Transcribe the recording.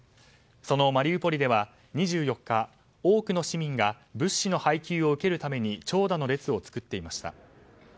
そのマリウポリでは２４日、多くの市民が物資の配給を受けるために長蛇の列を作っていました。